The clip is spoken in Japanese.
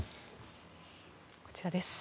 こちらです。